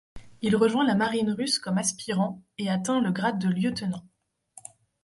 Il rejoint la marine russe comme aspirant, et atteint le grade de lieutenant.